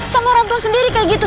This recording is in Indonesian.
sama orang tua sendiri kayak gitu